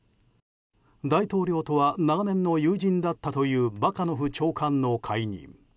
大統領とは長年の友人だったというバカノフ長官の解任。